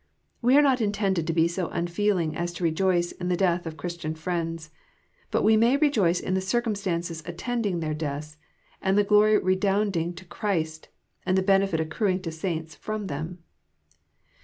We are not intended to be so unfeeling as to rejoice in the death of Christian Mends ; but we may rejoice in the circumstances attending their deatiis, and the glory redounding to Christ, and the benefit accruing to saints from them.